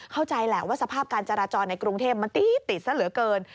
เข้าใจแหละว่าสภาพการจราจรในกรุงเทพมันตีติดซะเหลือเกิน